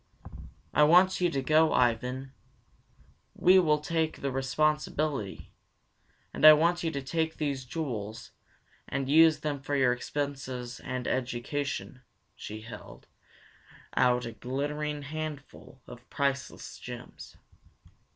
"I want you to go, Ivan. We will take the responsibility. And I want you to take these jewels, and use them for your expenses and education!" She held out a glittering handful of priceless gems.